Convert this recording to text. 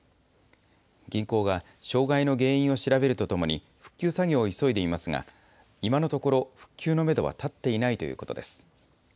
銀行は障害の原因を調べるとともに、復旧作業を急いでいますが、今のところ、復旧のメドは立っていないということです。